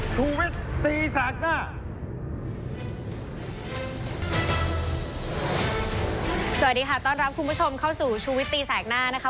สวัสดีค่ะต้อนรับคุณผู้ชมเข้าสู่ชูวิตตีแสกหน้านะคะ